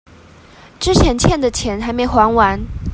之前欠的錢還沒還完